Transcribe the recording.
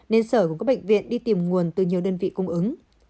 nên sở cũng có bệnh viện đi tìm nguồn từ nhiều đơn vị cung ứng